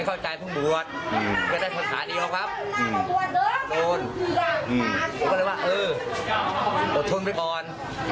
ก็เลยว่าเอออดทนไปก่อน